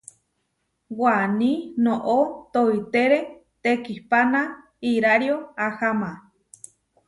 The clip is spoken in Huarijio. Waní noʼó toitére tekihpana irario aháma.